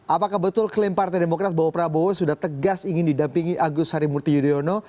apakah betul klaim partai demokrat bahwa prabowo sudah tegas ingin didampingi agus harimurti yudhoyono